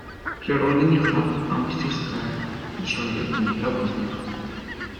Природа не храм, а мастерская, и человек в ней работник.